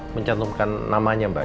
mencantumkan namanya mbak